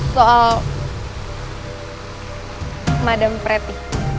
soal madam preti